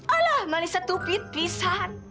alah manisnya stupid pisan